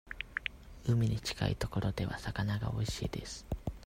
海に近いところでは、魚がおいしいです。